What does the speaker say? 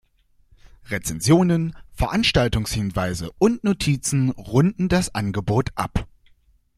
Rezensionen, Veranstaltungshinweise und Notizen runden das Angebot ab.